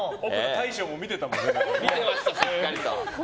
大将も見てたもんね。